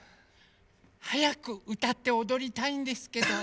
はやくうたっておどりたいんですけど。